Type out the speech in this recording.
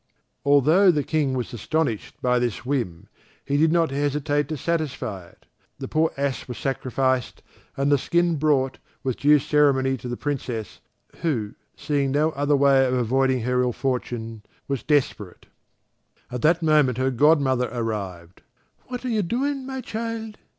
Although the King was astonished by this whim, he did not hesitate to satisfy it; the poor ass was sacrificed and the skin brought, with due ceremony, to the Princess, who, seeing no other way of avoiding her ill fortune, was desperate. At that moment her godmother arrived. "What are you doing, my child?"